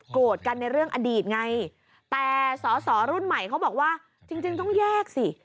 กันในเรื่องอดีตไงแต่สอสอรุ่นใหม่เขาบอกว่าจริงต้องแยกสิ